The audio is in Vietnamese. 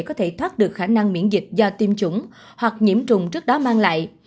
có thể thoát được khả năng miễn dịch do tiêm chủng hoặc nhiễm trùng trước đó mang lại